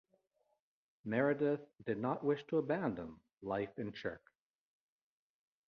Meredith did not wish to abandon life in Chirk.